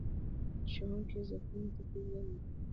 ښوونکی زده کوونکو ته کورنۍ دنده ورکوي